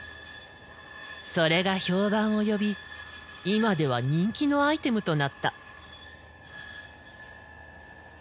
それが評判を呼び今では人気のアイテムとなった。